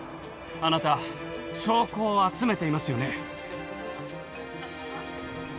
あなた証拠を集めていますよね？